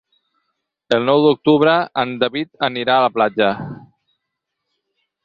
El nou d'octubre en David anirà a la platja.